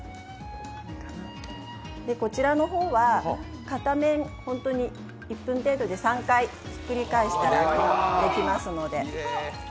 こちらの方は片面、１分程度で３回ひっくり返したらできます。